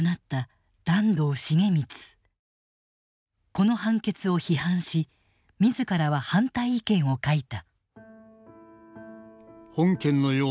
この判決を批判し自らは反対意見を書いた。